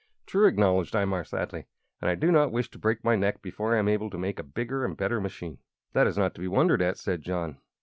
"True," acknowledged Imar, sadly; "and I do not wish to break my neck before I am able to make a bigger and better machine." "That is not to be wondered at," said John.